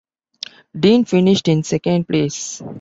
Dean finished in second place.